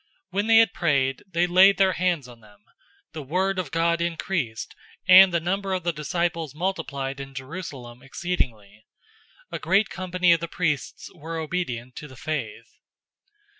When they had prayed, they laid their hands on them. 006:007 The word of God increased and the number of the disciples multiplied in Jerusalem exceedingly. A great company of the priests were obedient to the faith.